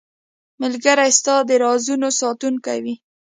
ملګری ستا د رازونو ساتونکی وي.